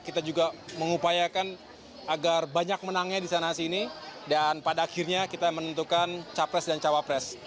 kita juga mengupayakan agar banyak menangnya di sana sini dan pada akhirnya kita menentukan capres dan cawapres